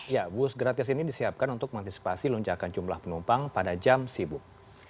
ya bus gratis ini disiapkan untuk mengantisipasi lonjakan jumlah penumpang pada jam sibuk